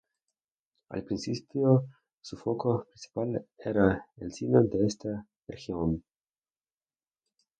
Al principio, su foco principal era el cine de esta región.